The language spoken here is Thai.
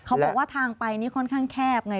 เขาบอกว่าทางไปนี่ค่อนข้างแคบไง